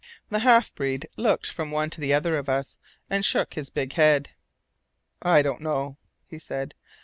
The half breed looked from one to the other of us, and shook his big head. "I don't know," he said.